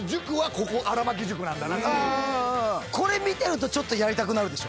これ見てるとやりたくなるでしょ。